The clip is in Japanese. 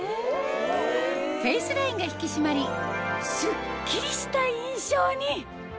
フェイスラインが引き締まりスッキリした印象に！